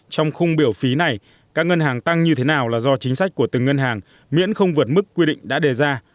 trong khung biểu phí này các ngân hàng tăng như thế nào là do chính sách của từng ngân hàng miễn không vượt mức quy định đã đề ra